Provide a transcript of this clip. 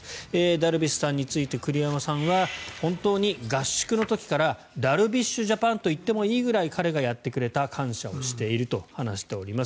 ダルビッシュについて栗山さんは本当に合宿の時からダルビッシュジャパンと言ってもいいくらい彼がやってくれた感謝をしていると話しています。